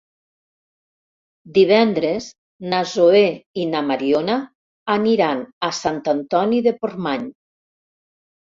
Divendres na Zoè i na Mariona aniran a Sant Antoni de Portmany.